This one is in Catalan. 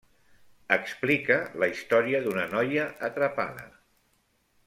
Explica la història d'una noia atrapada.